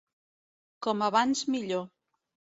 Com abans millor.